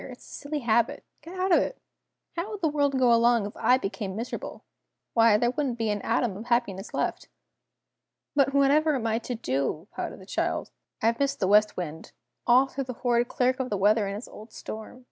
It's a silly habit! Get out of it. How would the world go along if I became miserable? Why there wouldn't be an atom of happiness left!" "But whatever am I to do?" pouted the child. "I've missed the West Wind all through the horrid Clerk of the Weather and his old storm!